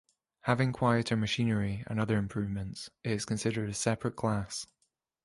Having quieter machinery and other improvements, it is considered a separate class.